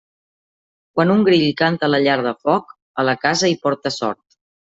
Quan un grill canta a la llar de foc, a la casa hi porta sort.